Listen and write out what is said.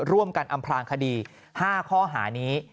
ร่วมกันอำพลางคดี๕ข้อหานี้